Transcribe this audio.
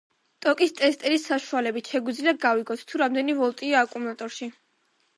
ტოკის ტესტერის საშუალებით, შეგვიძლია გავიგოთ, თუ რამდენი ვოლტია აკუმლატორში.